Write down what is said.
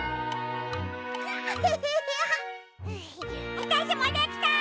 わたしもできた！